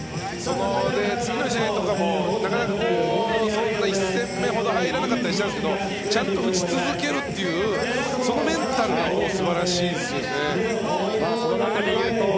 次の試合とかもなかなかそんな１戦目ほど入らなかったりしたんですがちゃんと打ち続けるっていうメンタルが素晴らしいですよね。